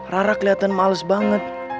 rara keliatan males banget